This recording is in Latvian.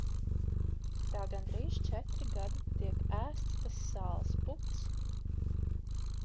Tā gandrīz četri gadi tiek ēsts tas sāls puds.